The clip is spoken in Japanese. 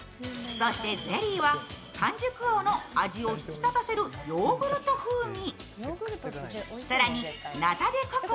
そしてゼリーは甘熟王の味を引き立たせるヨーグルト風味。